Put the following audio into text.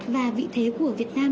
và vị thế của việt nam